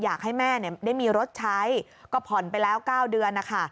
อยากให้แม่ได้มีรถใช้ก็ผ่อนไปแล้ว๙เดือนนะคะ